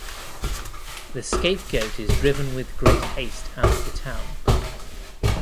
The scapegoat is driven with great haste out of the town.